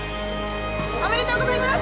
おめでとうございます！